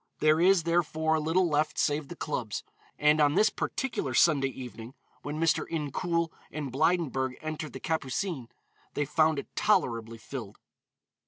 There is, therefore, little left save the clubs, and on this particular Sunday evening, when Mr. Incoul and Blydenburg entered the Capucines, they found it tolerably filled.